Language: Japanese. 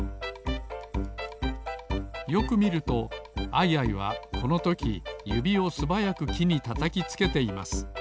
よくみるとアイアイはこのときゆびをすばやくきにたたきつけています